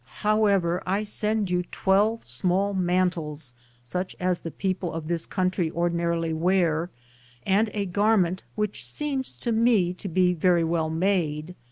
However, I send you twelve small mantles, such as the people of this country ordinarily wear, and a gar ment which seems to me to be very well made.